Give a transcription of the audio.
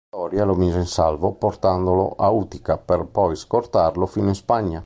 Doria lo mise in salvo, portandolo a Utica, per poi scortarlo fino in Spagna.